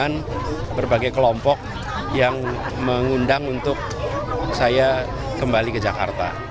dan juga bisa mengundang berbagai kelompok yang mengundang untuk saya kembali ke jakarta